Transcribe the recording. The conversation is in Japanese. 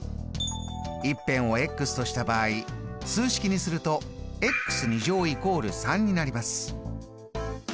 １辺をとした場合数式にすると＝３になります。